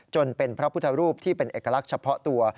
เป็นพระพุทธรูปที่เป็นเอกลักษณ์เฉพาะตัว